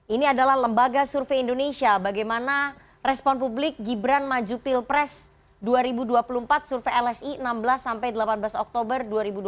ini adalah lembaga survei indonesia bagaimana respon publik gibran maju pilpres dua ribu dua puluh empat survei lsi enam belas delapan belas oktober dua ribu dua puluh